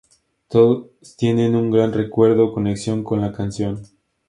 Todos tienen un gran recuerdo o conexión con la canción.